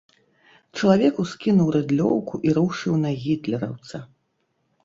Чалавек ускінуў рыдлёўку і рушыў на гітлераўца.